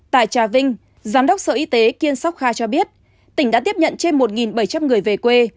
tại trà vinh giám đốc sở y tế kiên sóc kha cho biết tỉnh đã tiếp nhận trên một bảy trăm linh người về quê